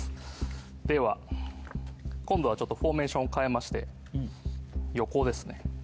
では今度はちょっとフォーメーション変えまして横ですね